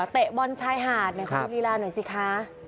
เตะบอนชายหาดในความรีลาหน่อยสิค่ะ